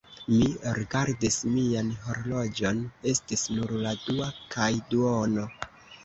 Mi rigardis mian horloĝon: estis nur la dua kaj duono.